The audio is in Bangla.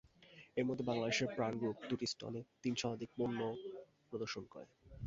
এর মধ্যে বাংলাদেশের প্রাণ গ্রুপ দুটি স্টলে তিন শতাধিক পণ্য প্রদর্শন করে।